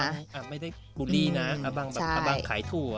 อบังไม่ได้บูลลี่นะอบังแข้ถั่ว